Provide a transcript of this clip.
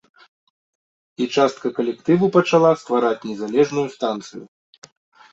І частка калектыву пачала ствараць незалежную станцыю.